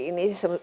ini seluruh instan